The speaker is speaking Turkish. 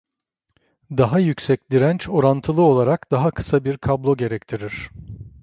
Daha yüksek direnç, orantılı olarak daha kısa bir kablo gerektirir.